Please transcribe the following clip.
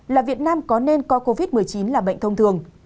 là việt nam có nên coi covid một mươi chín là bệnh thông thường